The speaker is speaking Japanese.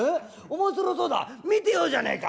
面白そうだ見てようじゃねえか」。